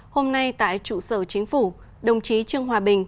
hôm nay tại trụ sở chính phủ đồng chí trương hòa bình